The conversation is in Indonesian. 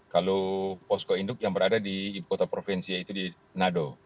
kalau posko induk yang berada di ibu kota provinsi yaitu di nado